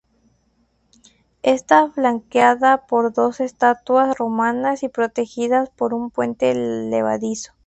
Está flanqueada por dos estatuas romanas y protegida por un puente levadizo.